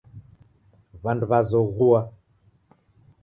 W'andu w'azoghua.